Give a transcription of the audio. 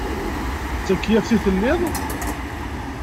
D takeyyaft i telliḍ?